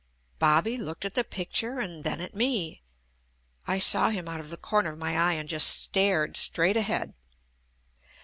"Bobby" looked at the picture and then at me. I saw him out of the corner of my eye and just stared straight ahead.